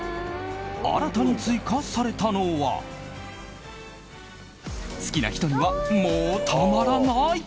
新たに追加されたのは好きな人には、もうたまらない。